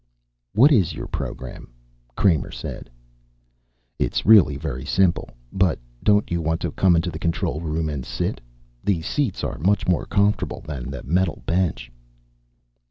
"What is your program?" Kramer said. "It's really very simple. But don't you want to come into the control room and sit? The seats are much more comfortable than that metal bench."